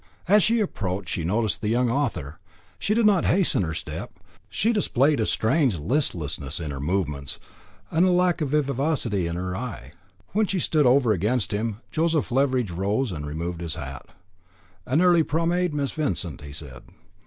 As she approached she noticed the young author. She did not hasten her step. She displayed a strange listlessness in her movements, and lack of vivacity in her eye. When she stood over against him, Joseph Leveridge rose and removed his hat. "An early promenade, Miss Vincent," he said.